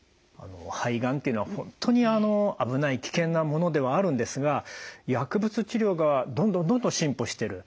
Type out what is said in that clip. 肺がんっていうのは本当にあの危ない危険なものではあるんですが薬物治療がどんどんどんどん進歩してる。